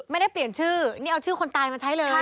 ไม่ได้เปลี่ยนชื่อนี่เอาชื่อคนตายมาใช้เลย